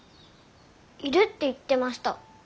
いるって言ってました。